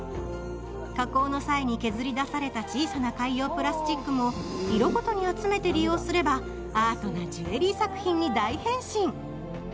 加工の際に削り出された小さな海洋プラスチックも色ごとに集めて利用すればアートなジュエリー作品に大変身。